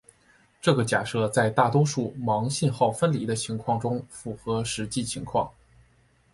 这个假设在大多数盲信号分离的情况中符合实际情况。